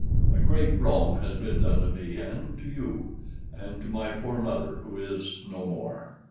"A great wrong has been done to me and to you, and to my poor mother, who is no more."